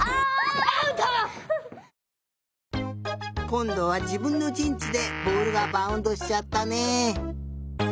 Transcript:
こんどはじぶんのじんちでボールがバウンドしちゃったね。